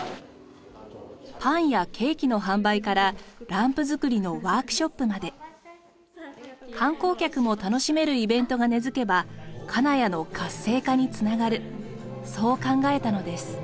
パンやケーキの販売からランプ作りのワークショップまで観光客も楽しめるイベントが根付けば金谷の活性化につながるそう考えたのです。